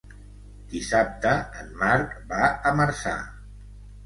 Dissabte en Marc va a Marçà.